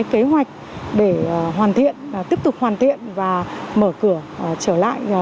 kế hoạch để hoàn thiện tiếp tục hoàn thiện và mở cửa trở lại